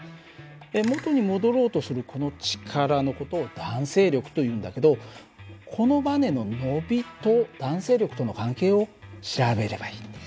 元に戻ろうとするこの力の事を弾性力というんだけどこのばねの伸びと弾性力との関係を調べればいい。